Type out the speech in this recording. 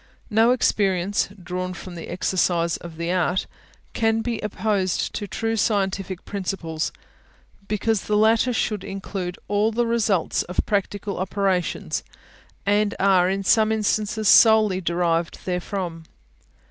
No experience, drawn from the exercise of the art, can be opposed to true scientific principles, because the latter should include all the results of practical operations, and are in some instances solely derived therefrom.